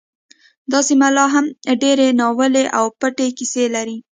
دا سیمه لا هم ډیرې ناوییلې او پټې کیسې لري